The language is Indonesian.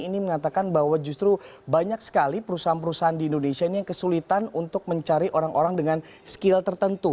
ini mengatakan bahwa justru banyak sekali perusahaan perusahaan di indonesia ini yang kesulitan untuk mencari orang orang dengan skill tertentu